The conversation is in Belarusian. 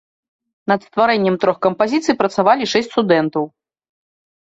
Над стварэннем трох кампазіцый працавалі шэсць студэнтаў.